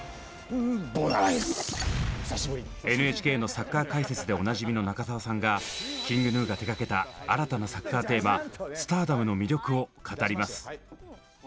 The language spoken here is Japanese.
ＮＨＫのサッカー解説でおなじみの中澤さんがＫｉｎｇＧｎｕが手がけた新たなサッカーテーマ「Ｓｔａｒｄｏｍ」の魅力を語ります！